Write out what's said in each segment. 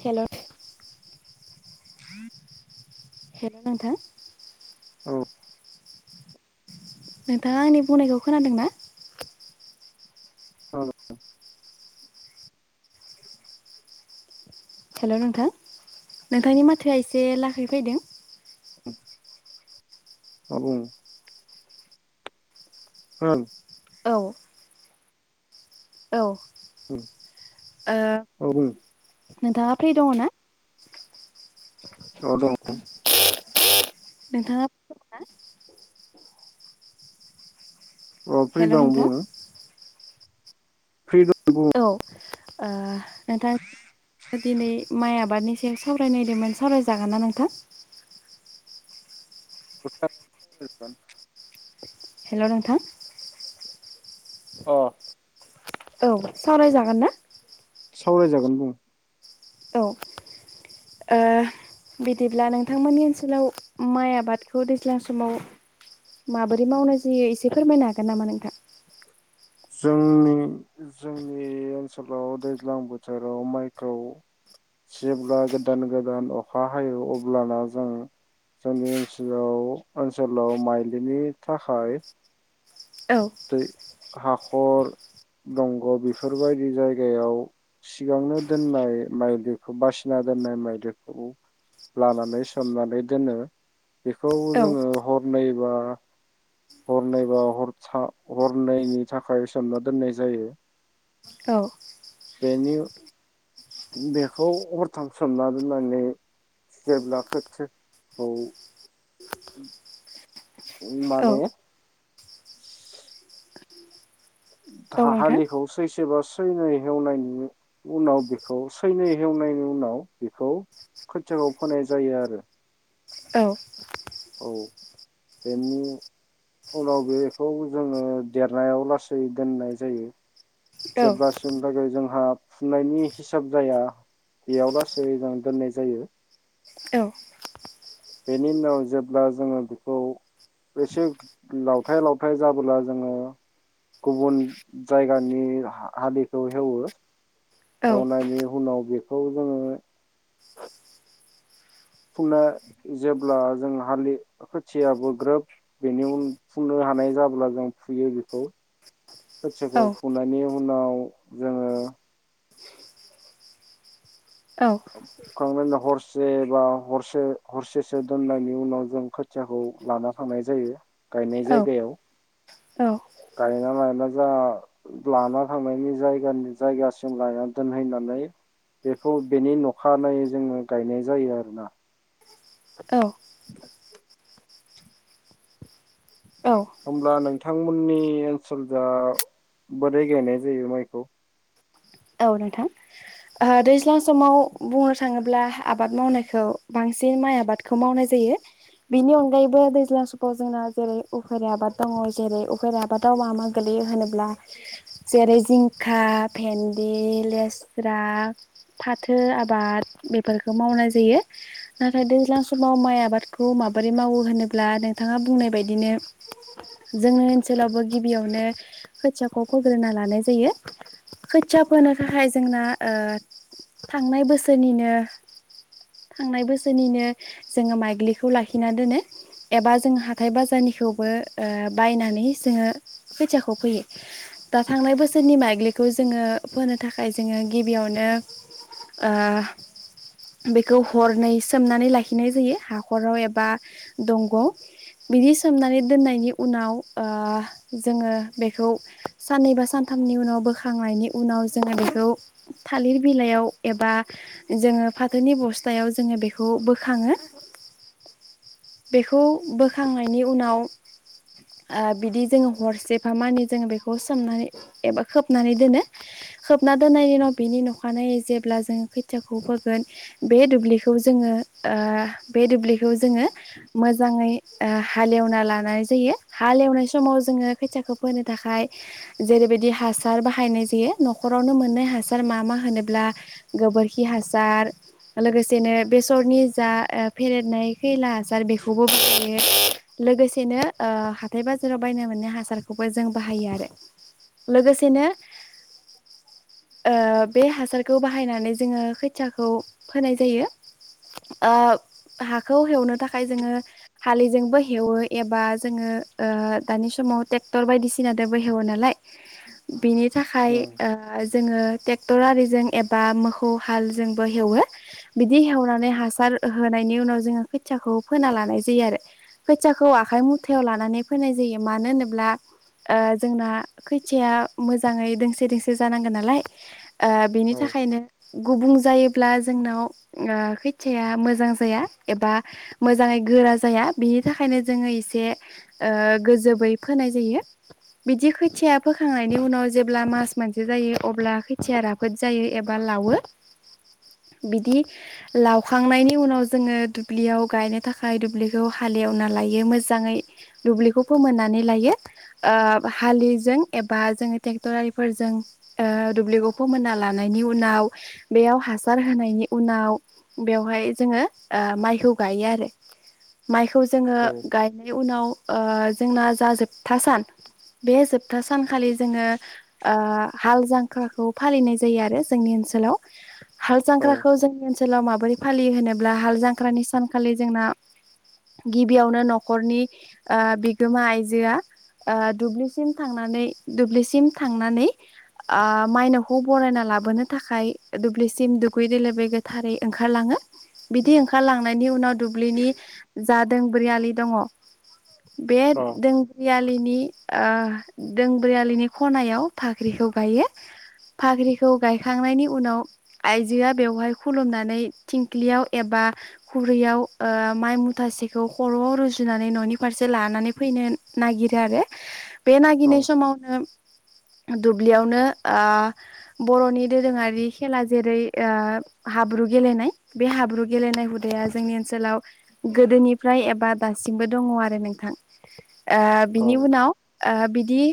हेल' [inaudible] हेल' नोंथा औ नोंथाङा आंनि बुंनायखौ खोनादों ना? औ हेल' नोंथां नोंथांनि माथोआ एसे लाखै फैदों। औ बुं ओं औ औ ओं औ-औ नोंथाङा फ्रि दङ ना? औ दङ। नोंथाङा [unintelligible] [inaudible] अ फ्रि हेल' दं नोंथां बुं। [unintelligible] औ ओ [unintelligible] दिनै माइ आबादनि सायाव सावरायनायदोंमोन सावरायजागोन ना नोंथां। [unintelligible] हेलौ नोंथां अ औ सावरायजागोन ना। सावरायजागोन बुं औ बिदिब्ला नोंथांमोननि ओनसोलाव माइ आबादखौ दैज्लां समाव माबोरै मावनाय जायो एसे फोरमायनो हागोन नामा नोंथां जोंनि जोंनि ओनसोलाव दैज्लां बोथोराव माइखौ जेब्ला गोदान गोदान अखा हायो अब्लाना जों जोंनि ओनसोलाव ओनसोलाव माइलिनि थाखाय औ दै हाखर दंग' बेफोरबायदि जायगायाव सिगांनो दोननाय माइलिखौ बासिना दोननाय माइलिखौ लानानै सोमनानै दोनो बेखौ औ जोङो हरनैबा हरनैबा हर हरनैनि थाखाय सोमना दोननाय जायो औ बेनि बेखौ हरथाम सोमना दोननानै जेब्ला खोथियाखौ [inaudible] माने औ नोंथां हालिखौ सैसेबा सैनै हेवनायनि उनाव बेखौ सैनै हेवनायनि उनाव बेखौ खोथियाखौ फोनाय जायो आरो औ बेनि उनाव बेखौ जोङो देरनायाव लासै दोननाय जायो। जेब्लासिम लागे जोंङो। जोंहा फुनायनि हिसाब जाया बेयाव लासै जों दोननाय जायो बेनि उनाव जेब्ला जोङो खौ एसे लावथाय लावथाय जाबोला जोङो गुबुन जायगानि हालिखौ हेवो हेवनायनि उनाव बेखौ जोङो फुनो जेब्ला जों हालि खोथियाबो ग्रोब बेनि उन फुनो हानाय जाब्ला जों फुयो बेखौ खोथियाखौ फुनायनि उनाव जोङो औ फुखांनायनि उनाव हरसे बा हरसे हरसेसो दोननायनि उनाव जों खोथियाखौ लाना थांनाय जायो गायनाय जायगायाव गायना लायना जों लाना थांनायनि जायगानि जायगासिम लायना दोनहैनानै बेखौ बेनि अखानायै जोङो गायनाय जायो आरोना औ होमब्ला नोंथां थां मोननि ओनसोलजा बोरै गायनाय जायो माइखौ औ नोंथां दैज्लां समाव बुंनो थाङोब्ला आबाद मावनायखौ बांसिन माइ आबादखौ मावनाय जायो बेनि अनगायैबो दैज्लां समाव जोंना जेरै उफेर आबाद दङ जेरै उफेर आबादाव मा मा गोलैयो होनोब्ला जेरै जिंखा भेन दि लेस्रा फाथो आबाद बेफोरखौ मावनाय जायो नाथाय दैज्लां समाव माइ आबादखौ माबोरै मावो होनोब्ला नोंथाङा बुंनाय बायदिनो जोंनि ओनसोलावबो गिबियावनो खोथियाखौ फग्रोना लानाय जायो खैथिया फोनो थाखाय जोंना थांनाय बोसोरनिनो थांनाय बोसोरनिनो जोङो माइग्लिखौ लाखिना दोनो एबा जोंङ हाथाइ बाजारनिखौबो बायनानै जोङो खैथियाखौ फैयो दा थांनाय बोसोरनि माइग्लिखौ जोङो फोनो थाखाय जोङो गिबियावनो बेखौ हरनै सोमनानै लाखिनाय जायो हाखराव एबा दंग'आव बिदि सोमनानै दोननायनि उनाव जोङो बेखौ साननैबा सानथामनि उनाव बोखांनायनि उन उनाव जोङो बेखौ थालिर बिलाइयाव एबा जोङो फाथोनि बस्थायाव जोङो बेखौ बोखाङो बेखौ बोखांनायनि उनाव बिदि जोङो हरसेफा मानि जोङो बेखौ सोमनानै एबा खोबनानै दोनो खोबना दोननायनि उनाव बिनि अखानायै जेब्ला जोङो खैथियाखौ फोगोन बे दुब्लिखौ जोङो बे दुब्लिखौ बे खौ जोङो मोजाङै हालेवना लानाय जायो हालेवनाय समाव जोङो खैथियाखौ फोनो थाखाय जेरैबायदि हासार बाहायनाय जायो न'खरावनो मोननाय हासार मा मा होनोब्ला गोबोरखि हासार लोगोसेनो बेसरनि जा फेरेेरनाय खैला हासार बेखौबो बाहायो लोगोसेनो हाथाय बाजाराव बायनो मोननाय हासारखौबो जों बाहायो आरो लोगोसेनो बे हासारखौ बाहायनानै जोङो खैथियाखौ फोनाय जायो हाखौ हेवनो थाखाय जोङो हालिजोंबो हेवो एबा जोङो ओ दानि समाव ट्रेक्टर बायदिसिना दोबो हेवो नालाय बिनि औ थाखाय ओ जोङो टेक्टर आरिजों एबा मोसौ हालजोंबो हेवो बिदि हवनानै हासार होनायनि उनाव जोङो खोथियाखौ फोना लानाय जायो आरो खोथियाखौ आखाइ मुथायाव लानानै फोनाय जायो मानो होनोब्ला ओ जोंना खोथियाया मोजाङै दों दोंसे जानांगोन नालाय ओ औ बिनिथाखायनो गोबुं जायोब्ला जोंनाव खोथिया मोजां जाया एबा मोजाङै गोरा जाया बिनि थाखायनो जोङो एसे गोजोबै फोनाय जायो बिदि खोथिया फोखांनायनि उनाव जेब्ला मास मोनसे जायो अब्ला खैथियाया राफोद जायो एबा लावो बिदि लावखांनायनि उनाव जोङो दुब्लियाव गायनो थाखाय दुब्लिखौ हालेवना लायो मोजाङै दुब्लिखौ फोमोननानै लायो ओ हालिजों एबा जों ट्रेक्टर आरि फोरजों ओ दुब्लिखौ फोमोन्ना लानायनि उनाव बेयाव हासार होनायनि उनाव बेवहाय जोङो ओ माइखौ गायो आरो माइखौ जोङो गायनाय उनाव जोंना जा जोबथा सान बे जोब था सानखालि जोङो ओ हाल जांख्राखौ फालिनाय जायो आरो जोंनि ओनसोलाव हाल औ जांख्राखौ जोंनि ओ सोलाव माबोरै फालियो होनोब्ला हाल जांख्रानि सानखालि जोंना गिबियावनो न'खरनि ओ बिगोमा आइजोआ दुब्लिसिम थांनानै दुब्लिसिम थांनानै ओ मायनावखौ बरायना लाबोनो थाखाय दुब्लिसिम दुगैयै लोबै गोथारै ओंखारलाङो बिदि ओंखारलांनायनि उनाव दुब्लिनि जादों [unintelligible] दङ बे औ [unintelligible] आलिनि ओ दोंब्रै आलिनि खनायाव फाख्रिखौ गायो फाख्रिखौ गायखांनायनि उनाव आइजोआ बेवहाय खुलुमनानै थिंख्लियाव एबा खुरैयाव ओ माइ मुथासेखौ खर' रुजुननानै न'नि फारसे लानानै फैनो नागिरो आरो बेे नागिरनाय समावनो दुब्लियावनो ओ बर'नि दोरोङारि खेला जेरै ओ हाब्रु गेलेनाय बे हाब्रु गेलेनाय हुदाया जोंनि ओनसोलाव गोदोनिफ्राय एबा दासिमबो दङ आरो नोंथां ओ औ बिनि उनाव ओ दि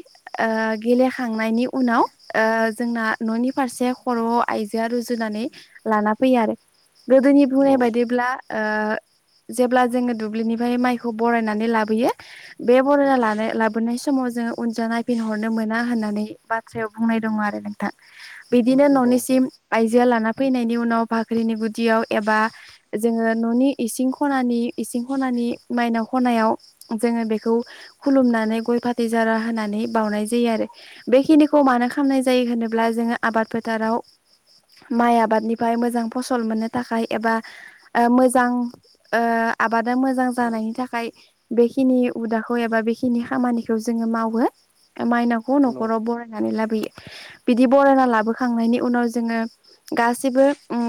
ओ गेलेखांनायनि उनाव ओ जोंना न'नि फारसे खर'याव आइजोआ रुजुननानै लाना फैयो आरो गोदोनि बुंनाय औ बायदिब्ला ओ जेब्ला जोङो दुब्लिनिफ्राय माइखौ बरायनानै लाबोयो बे बरायना लाबोनाय समाव जोङो उनजों नायफिनहर नो मोना होननानै बाथ्रायाव बुंनाय दङ आरो नोंथां बिदिनो औ न'निसिम आयजोआ लाना फैनायनि उनाव भाख्रिनि गुदियाव एबा जोङो न'नि इसिं खनानि इसिं खनानि माइनाव खनायाव जोङो बेखौ खुलुमनानै गय फाथै जारा होनानै बावनाय जा यो आरो बेखिनिखौ मानो खालामनाय जायो होनोब्ला जोङो आबाद फोथाराव माइ आबादनिफ्राय मोजां फसल मोननो थाखाय एबा ओ मोजां ओ आबादा मोजां जानायनि थाखाय बेखिनि हुदाखौ एबा बेखिनि खामानिखौ जोङो मावो। माइनावखौ न न'खराव बरायनानै लाबोयो। बिदि बरायना लाबोखांनायनि उनाव जोङो गासैबो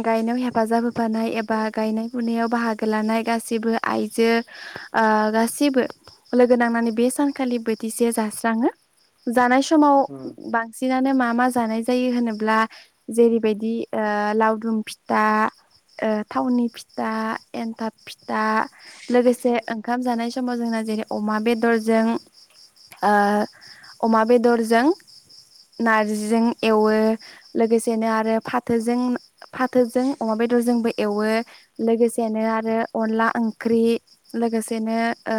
गायनायाव हेफाजाब होफानाय एबा गायनाय फुनायाव बाहागो लानाय गासैबो आइजो ओ गासिबो लोगो नांनानै बे सानखालि बोथिसे जास्राङो जानाय स समाव बांसिनानो मा मा जानाय जायो होनोब्ला जेरैबायदि ओ लावदुम फिथा ओ थावनि फिथा एन्थाब फिथा लोगोसे ओंखाम जानाय समाव जोंना जेरै अमा बेदरजों ओ अमा बेदरजों नारजिजों एवो लोगोसेनो आरो फाथोजों फाथोजों अमा बेदरजोंबो एवो लोगोसेनो आरो अनला ओंख्रि लोगोसेनो ओ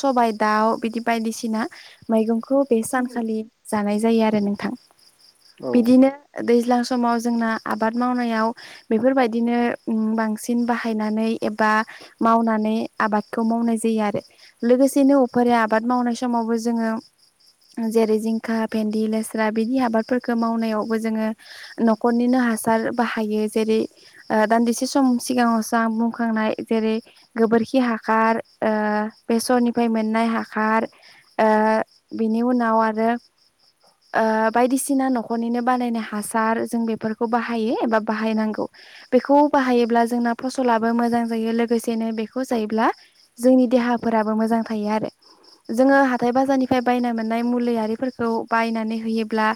सबायाइ दाउ बिदि बायदिसिना माइगं खौ बे उम सानखालि जानाय जायो आरो नोंथां औ बिदिनो दैज्लां समाव जोंना आबाद मावनायाव बेफोरबायदिनो बांसिन बाहायनानै एबा मावनानै आबादखौ मावनाय जायो आरो लोगोसेनो उफेरा आबाद मावनाय समावबो जोङो जेरै जिंखा भेन्दि लेस्रा बिदि आबादफोरखौ मावनायावबो जोङो न'खरनिनो हासार बाहायो जेरै ओ दान्दिसे सम सिगाङावसो आं बुंखांनाय जेरै गोबोरखि हासार ओ बेसरनिफ्राय मोननाय हासार बेनि उनाव आरो ओ बायदिसिना न'खरनिनो बानायनाय हासार जों बेफोरखौ बाहायो एबा बाहायनांगौ बेखौ बाहायोब्ला जोंना फसलाबो मोजां जायो लोगोसेनो बेखौ जायोब्ला जोंनि देहाफोराबो मोजां थायो आरो जोङो हाथाइ बाजारनि बायना मोननाय मुलियिफोरखौ बायनानै होयोब्ला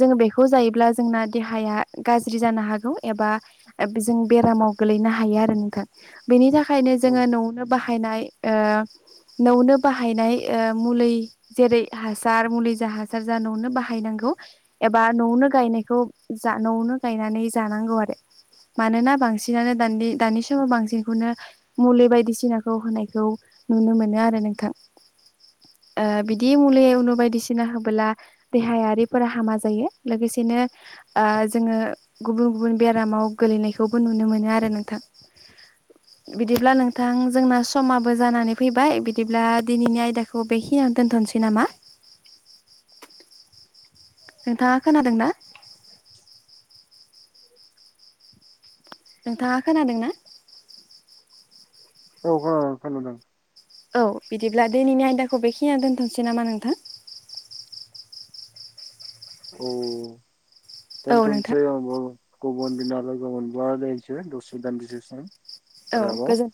जोङो बेखौ जायोब्ला जोंना देहाया गाज्रि जानो हागौ एबा जों बेरामाव गोलैनो हायो आरो नोंथां बेनि थाखाय ओंखायनो औ औ जोङो न'आवनो बाहायनाय ओ न'नो बाहायनाय ओ मुलै जेरै हासार मुलि जा हासार जा न'नो बाहायनांगौ एबा न'आवनो गायनायखौ जा न'आवनो गायनानै जानांगौ आरो मानोना बांसिनानो द दानि समाव बांसिनखौनो मुलि बायदिसिनाखौ होनायखौ नुनो मोनो आरो नोंथां ओ बिदि मुलि उनु बायदिसिना होबोला देहायारिफोरा हामा जायो लोगोसेनो जोङो गुबुन गुबुन बेरामाव गोलैनायखौबो नुनो मोनो आरो नोंथां बिदिब्ला नोंथां जोंना समाबो जानानै फैबाय बिदिब्ला दिनैनि आयदाखौ बेखि खि आं दोनथ'नोसै नामा। नोंथाङा खोनादों ना। नोंथाङा खोनादोंना औ खोनादों खोनादों औ बिदिब्ला दैनैनि आयदाखौ बेखिनिया दोनथ'सै नोसै नामा नोंथां औ औ नोंथां दोनथनसै गुबुन दिना लोगो मोनबा जायैसो दसे दान्दिसे सम औ आरोबाव गोजोन